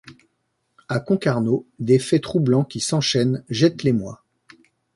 À Concarneau, des faits troublants qui s’enchaînent jettent l’émoi.